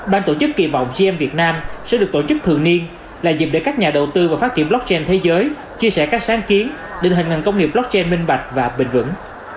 ban tổ chức kỳ vọng gm việt nam sẽ được tổ chức thường niên là dịp để các nhà đầu tư và phát triển blockchain thế giới chia sẻ các sáng kiến định hình ngành công nghiệp blockchain minh bạch và bình vững